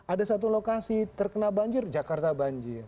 ada satu lokasi terkena banjir jakarta banjir